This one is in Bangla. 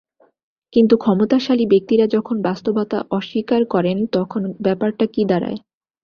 কিন্তু ক্ষমতাশালী ব্যক্তিরা যখন বাস্তবতা অস্বীকার করেন, তখন ব্যাপারটা কী দাঁড়ায়?